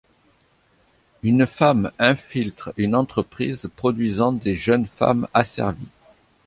Une femme infiltre une entreprise produisant des jeunes femmes asservies.